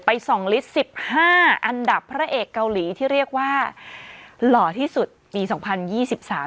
สองลิตรสิบห้าอันดับพระเอกเกาหลีที่เรียกว่าหล่อที่สุดปีสองพันยี่สิบสาม